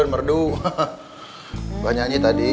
nggak nyanyi tadi